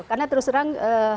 karena terus serang